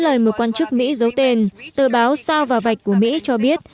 lời một quan chức mỹ giấu tên tờ báo sao và vạch của mỹ cho biết